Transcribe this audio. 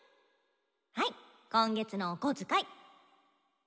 はい今月のお小遣い。